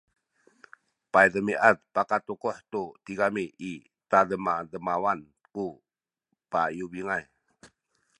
paydemiad pakatukuhay tu tigami i tademademawan ku payubinay